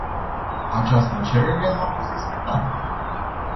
Această cerere nu a fost respectată.